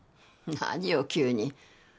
何よ急に。